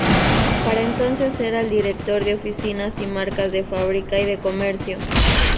Para entonces era el Director de Oficinas y Marcas de Fábrica y de Comercio.